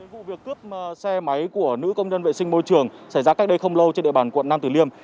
vụ việc cướp xe máy của nữ công nhân vệ sinh môi trường xảy ra cách đây không lâu trên địa bàn quận nam tử liêm